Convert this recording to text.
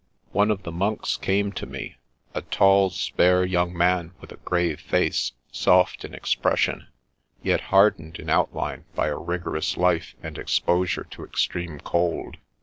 One of the monks came to me — a tall, spare young man with a grave face, soft in expression, yet hardened in outline by a rigorous life and exposure to extreme cold.